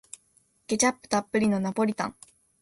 ケチャップたっぷりのナポリタン